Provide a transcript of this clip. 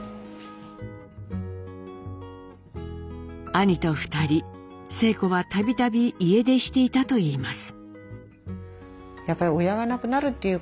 兄と２人晴子は度々家出していたと言います。